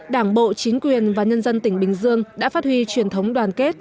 đảng bộ chính quyền và nhân dân tỉnh bình dương đã phát huy truyền thống đoàn kết